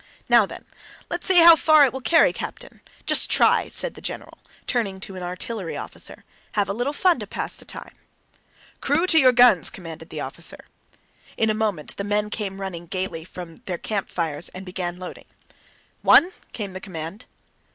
"Now then, let's see how far it will carry, Captain. Just try!" said the general, turning to an artillery officer. "Have a little fun to pass the time." "Crew, to your guns!" commanded the officer. In a moment the men came running gaily from their campfires and began loading. "One!" came the command.